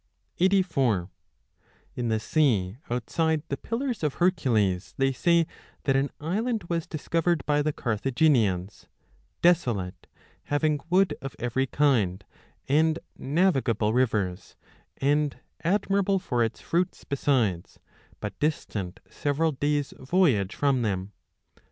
84 In the sea outside the Pillars of Hercules they say that 30 an island was discovered by the Carthaginians, desolate, having wood of every kind, and navigable rivers, and admirable for its fruits besides, but distant several days voyage from them.